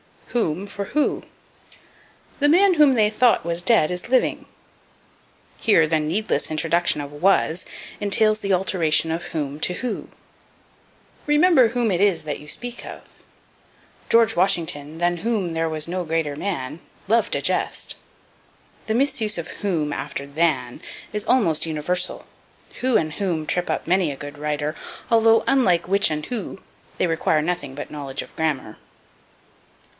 Whom for Who. "The man whom they thought was dead is living." Here the needless introduction of was entails the alteration of whom to who. "Remember whom it is that you speak of." "George Washington, than whom there was no greater man, loved a jest." The misuse of whom after than is almost universal. Who and whom trip up many a good writer, although, unlike which and who, they require nothing but knowledge of grammar.